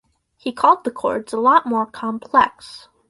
He called the chords a lot more complex.